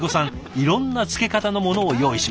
いろんな漬け方のものを用意します。